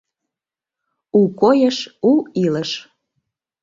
У койыш — у илыш...